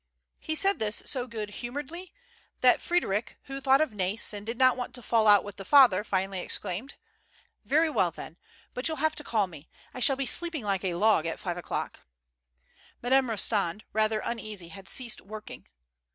He said this so good humoredly that Frederic, who thought of Nais, and did not want to fall out with the father, finally exclaimed : "Very well, then. But you'll have to call me. I shall be sleeping like a log at five o'clock." Madame Rostand, rather uneasy, had ceased working.